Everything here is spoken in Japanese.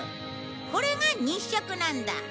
これが日食なんだ。